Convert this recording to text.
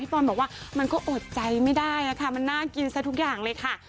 บอลบอกว่ามันก็อดใจไม่ได้ค่ะมันน่ากินซะทุกอย่างเลยค่ะ